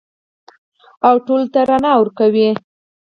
او ټولو ته رڼا ورکوي.